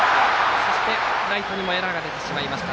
そして、ライトにもエラーが出てしまいました。